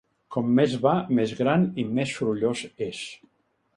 Com més va més gran i més sorollós és.